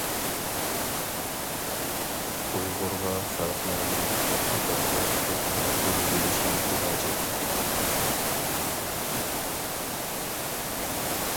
ئۇيغۇرغا خەقلەرنىڭ تۇتۇق ئاتا ۋە تۇتۇق ئانا بولۇۋېلىشى بىھاجەت.